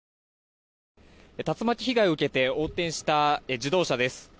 竜巻被害を受けて横転した自動車です。